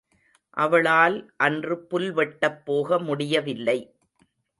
அவளால் அன்று புல்வெட்டப் போக முடியவில்லை.